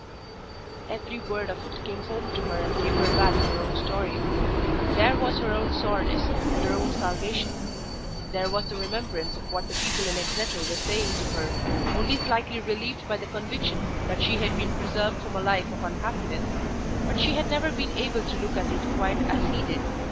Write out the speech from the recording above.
Every word of it came home to her and gave her back her own story. There was her own soreness, and her own salvation. There was the remembrance of what the people in Exeter were saying of her, only slightly relieved by the conviction that she had been preserved from a life of unhappiness. But she had never been able to look at it quite as he did.